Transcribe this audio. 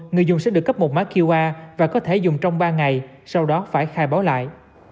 người dùng sẽ được cấp một mã qr và có thể dùng trong ba ngày sau đó phải khai báo lại